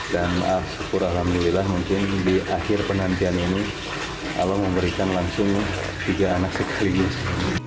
dan maaf syukur alhamdulillah mungkin di akhir penantian ini allah memberikan langsung tiga anak sekaligus